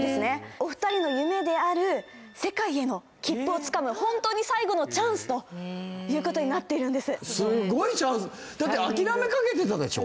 お二人の夢である世界への切符をつかむ本当に最後のチャンスということになっているんですすごいチャンスだって諦めかけてたでしょ？